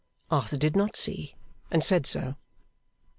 Arthur did not see; and said so.